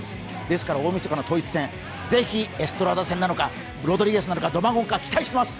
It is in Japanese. ですから大みそかの統一戦、ぜひエストラーダ戦なのか、ロドリゲスなのか、期待しています